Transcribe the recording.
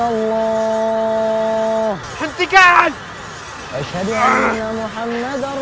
kau akan diserang kami